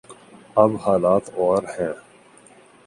اب حالات اور ہیں۔